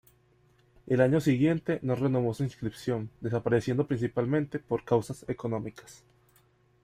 El año siguiente no renovó su inscripción, desapareciendo principalmente por causas económicas.